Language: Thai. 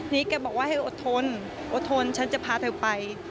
นี่แกบอกว่าให้อดทนอดทนฉันจะพาเธอไป